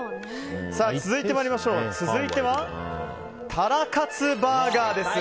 続いてはタラカツバーガーです。